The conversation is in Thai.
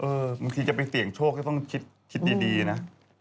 บางทีจะไปเสี่ยงโชคก็ต้องคิดดีนะ